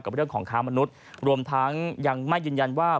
เรื่องของค้ามนุษย์รวมทั้งยังไม่ยืนยันว่า